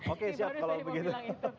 oke siap kalau begitu